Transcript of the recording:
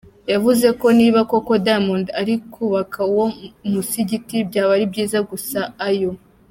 yavuze ko niba koko Diamond ari kubaka uwo musigiti byaba ari byiza gusa ayo.